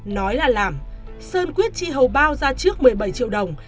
nói là làm sơn quyết chi hầu bao ra trước một mươi bảy triệu đồng